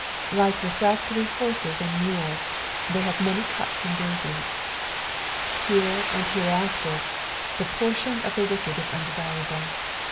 Like refractory horses and mules, they have many cuts and bruises. Uere and hereafter the portion of the wicked is undesirable.